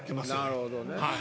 なるほどね。